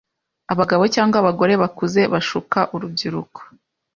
Abagabo cg abagore bakuze bashuka urubyiruko